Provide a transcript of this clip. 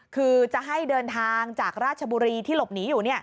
คือจะให้เดินทางจากราชบุรีที่หลบหนีอยู่